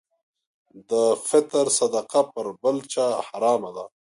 د فطر صدقه پر بل چا حرامه ده.